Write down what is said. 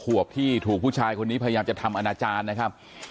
ขวบที่ถูกผู้ชายคนนี้พยายามจะทำอนาจารย์นะครับ